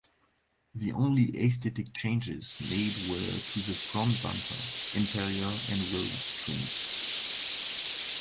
The only aesthetic changes made were to the front bumper, interior and wheel trims.